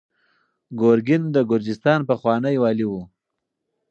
ګورګین د ګرجستان پخوانی والي و.